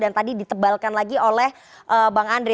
dan tadi ditebalkan lagi oleh bang andre